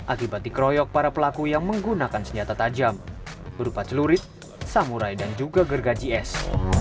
akibat dikeroyok para pelaku yang menggunakan senjata tajam berupa celurit samurai dan juga gergaji es